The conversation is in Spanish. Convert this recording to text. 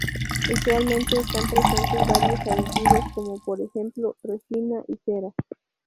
Usualmente están presentes varios aditivos como por ejemplo, resina y cera.